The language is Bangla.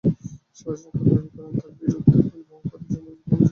শাজাহান খান দাবি করেন, তাঁর বিরুদ্ধে পরিবহন খাতে চাঁদাবাজির কোনো অভিযোগ নেই।